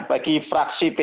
bagi fraksi p tiga